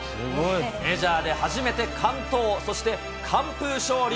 メジャーで初めて完投、そして完封勝利。